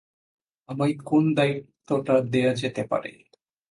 আমায় কোন দায়িত্বটা দেয়া যেতে পারে?